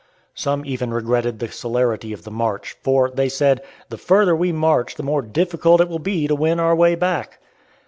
Some even regretted the celerity of the march, for, they said, "the further we march the more difficult it will be to win our way back."